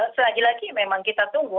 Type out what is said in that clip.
selagi lagi memang kita tunggu